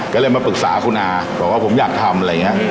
ก็เลยมาปรึกษาคุณอาบอกว่าผมอยากทำอะไรอย่างนี้